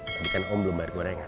dari kan om belum bayar gorengan